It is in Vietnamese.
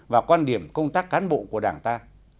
và quan điểm công tác cán bộ của đảng ta